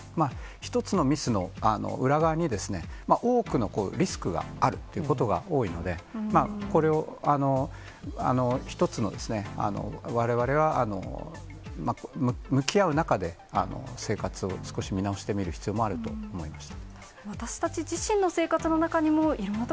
一つのミスの裏側に、多くのリスクがあるということが多いので、これを一つのですね、われわれは向き合う中で、生活を少し見直してみる必要があると思いました。